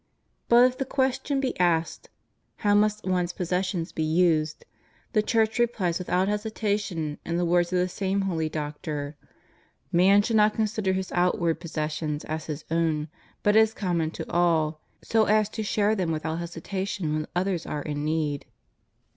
^ But if the question be asked, How must one's possessions be used? the Church rephes with out hesitation in the words of the same holy Doctor: '' Man should not consider his outward possessions as his own, but as common to all, so as to share them without hesitation when others are in need.